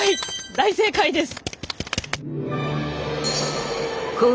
大正解です。